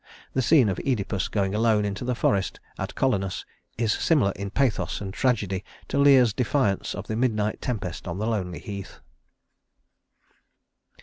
The scene of Œdipus going alone into the forest at Colonus is similar in pathos and tragedy to Lear's defiance of the midnight tempest on the lonely heath.